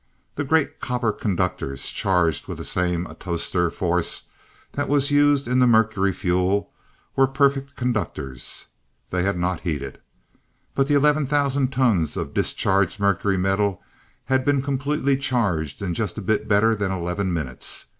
The great copper conductors, charged with the same atostor force that was used in the mercury fuel, were perfect conductors, they had not heated. But the eleven thousand tons of discharged mercury metal had been completely charged in just a bit better than eleven minutes.